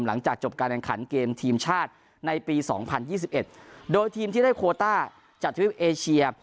หลังจากจบการแข่งขันเกมทีมชาติในปี๒๐๒๑โดยทีมที่ได้โคต้าจากทวิปเอเชีย